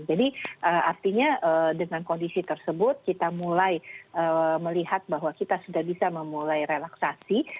jadi artinya dengan kondisi tersebut kita mulai melihat bahwa kita sudah bisa memulai relaksasi